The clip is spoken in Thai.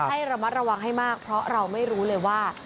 ให้ระมัดระวังให้มากเพราะเราไม่รู้เลยว่า